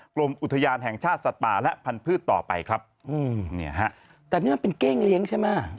กรมอุทยานแห่งชาติสัตว์ป่าและพันธุ์ต่อไปครับอืมเนี่ยฮะแต่นี่มันเป็นเก้งเลี้ยงใช่ไหม